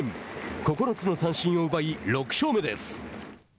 ９つの三振を奪い６勝目です。